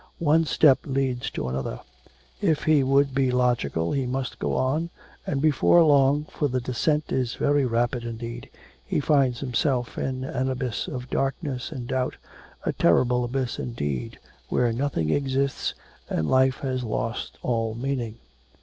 One step leads to another; if he would be logical he must go on, and before long, for the descent is very rapid indeed, he finds himself in an abyss of darkness and doubt, a terrible abyss indeed, where nothing exists, and life has lost all meaning.